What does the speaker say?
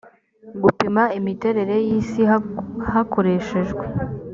gupima imiterere y isi hakoreshejwe